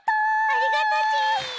ありがとち！